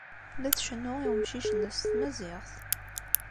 La tcennu i umcic-nnes s tmaziɣt.